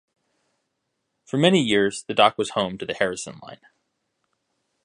For many years, the dock was home to the Harrison Line.